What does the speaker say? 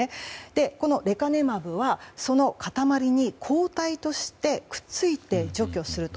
このレカネマブはその固まりに抗体としてくっついて、除去すると。